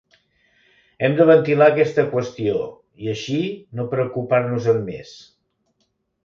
Hem de ventilar aquesta qüestió, i així no preocupar-nos-en més.